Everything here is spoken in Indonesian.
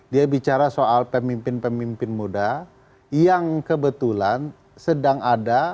dia bicara soal pemimpin pemimpin muda yang kebetulan sedang ada